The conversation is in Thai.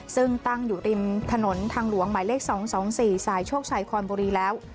ซึ่งตั้งอยู่ริมถนนทางหลวงหมายเลข๒๒๔สายโชคชัยคอนบุรีแล้ว